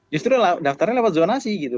justru daftarnya lewat zonasi gitu